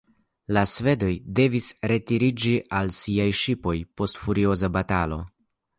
La svedoj devis retiriĝi al siaj ŝipoj post furioza batalo.